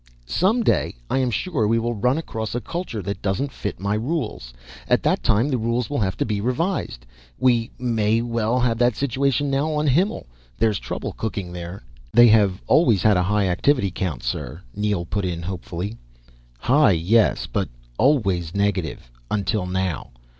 Some day, I am sure, we will run across a culture that doesn't fit my rules. At that time the rules will have to be revised. We may have that situation now on Himmel. There's trouble cooking there." "They have always had a high activity count, sir," Neel put in hopefully. "High yes, but always negative. Until now.